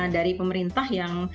dari pemerintah yang